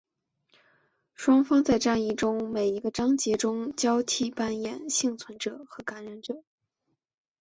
双方在战役中于每一个章节中交替扮演幸存者和感染者。